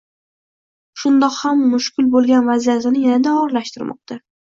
shundoq ham mushkul bo‘lgan vaziyatini yanada og‘irlashtirmoqda.